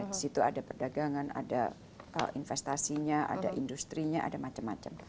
disitu ada perdagangan ada investasinya ada industri ada macam macam